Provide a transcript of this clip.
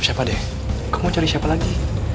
siapa deh kamu mau cari siapa lagi